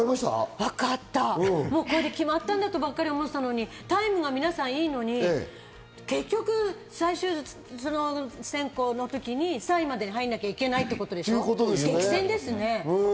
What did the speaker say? これで決まったんだとばかり思っていたら、タイムは皆さんいいのに結局、最終選考の時に３位までに入らなきゃいけないっていうことでしょ、激戦ですね。